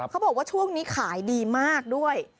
เขาบอกว่าช่วงนี้ขายดีมากด้วย